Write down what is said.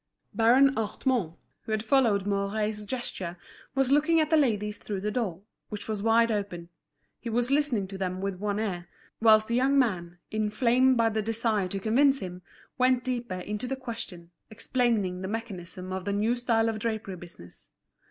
Baron Hartmann, who had followed Mouret's gesture, was looking at the ladies through the door, which was wide open. He was listening to them with one ear, whilst the young man, inflamed by the desire to convince him, went deeper into the question, explaining the mechanism of the new style of drapery business.